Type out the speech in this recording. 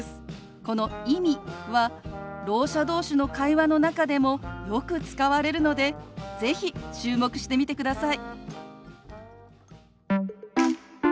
この「意味」はろう者同士の会話の中でもよく使われるので是非注目してみてください。